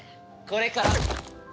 これから。